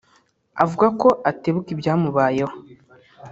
avuga ko atibuka n’ibyamubayeho